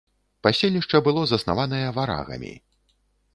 Паселішча было заснаванае варагамі.